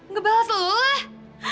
ngebales lo dulu lah